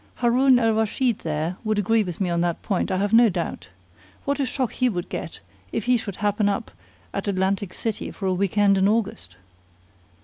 "Haroun el Raschid there would agree with me on that point, I have no doubt. What a shock he would get if he should happen up at Atlantic City for a week end in August!"